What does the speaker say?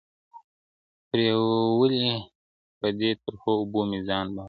پرېولئ – په دې ترخو اوبو مو ځان مبارک